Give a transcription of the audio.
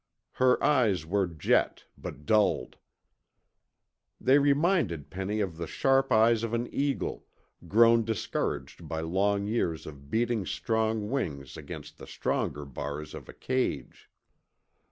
Her eyes were jet, but dulled. They reminded Penny of the sharp eyes of an eagle, grown discouraged by long years of beating strong wings against the stronger bars of a cage.